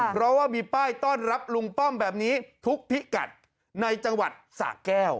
เพราะว่ามีป้ายต้อนรับลุงป้อมแบบนี้ทุกพิกัดในจังหวัดสะแก้ว